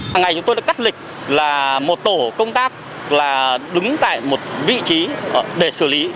hằng ngày chúng tôi đã cắt lịch là một tổ công tác là đứng tại một vị trí để xử lý